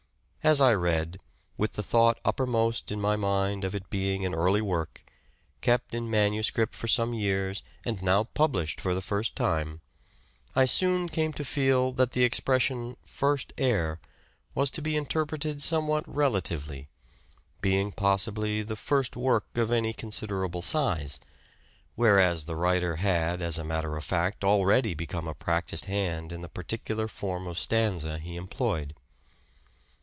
As I read, with the thought uppermost in my mind of it being an early work, kept in manuscript for some years and now published for the first time, I soon came to feel that the expression " first heir " was to be interpreted somewhat relatively ; being possibly the first work of any considerable size: whereas the writer had as a matter of fact already become a practised hand in the particular form of stanza he employed.